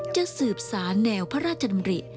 จะสืบสารแนวพระราชดำริ